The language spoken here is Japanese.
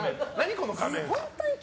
この画面。